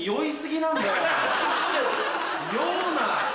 酔うな！